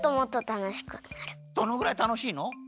どのぐらいたのしいの？